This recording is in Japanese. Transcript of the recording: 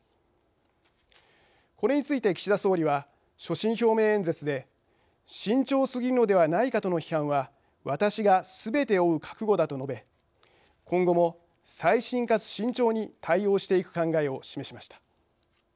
これについて岸田総理は所信表明演説で「慎重すぎるのではないかとの批判は私がすべて負う覚悟だ」と述べ今後も細心かつ慎重に対応していく考えを示しました。